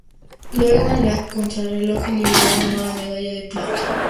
Luego, en la contrarreloj individual, ganó la medalla de plata.